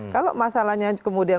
kalau masalahnya kemudian